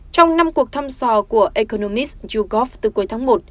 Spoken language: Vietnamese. trong năm cuộc thăm dò của economist yougov từ cuối tháng một